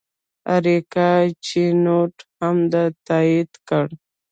اریکا چینوت هم دا تایید کړه.